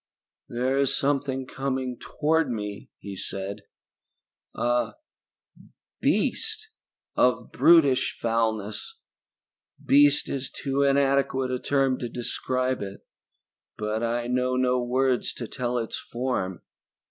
"There is something coming toward me," he said. "A beast of brutish foulness! Beast is too inadequate a term to describe it, but I know no words to tell its form.